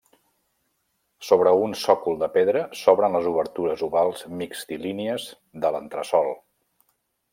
Sobre un sòcol de pedra s'obren les obertures ovals mixtilínies de l'entresòl.